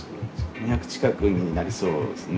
２００近くになりそうですね。